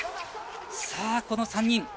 さあ、この３人。